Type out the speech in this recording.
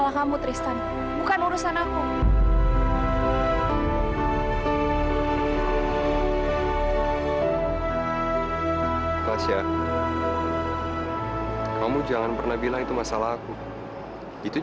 aku tidak mungkin tinggalkan pegawai pegawai kafe di sini